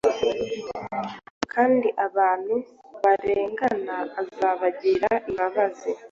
kandi abantu barengana azabagirira imbabazi.